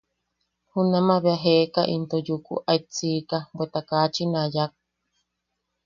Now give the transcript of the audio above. Junamaʼa bea jeeka into yuku aet siika, bweta kaachin a yak.